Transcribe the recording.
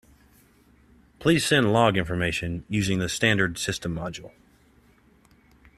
Please send log information using the standard system module.